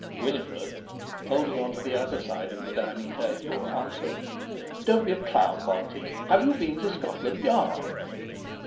Winifred, holding onto the other side of the dining table, answered: "Don't be a clown, Monty. Have you been to Scotland Yard?"